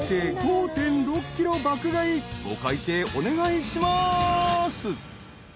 ［お会計お願いします］